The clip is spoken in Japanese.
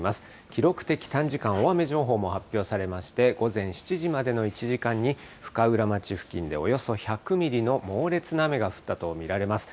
記録的短時間大雨情報も発表されまして、午前７時までの１時間に深浦町付近で、およそ１００ミリの猛烈な雨が降ったと見られます。